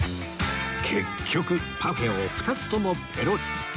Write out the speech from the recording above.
結局パフェを２つともペロリ！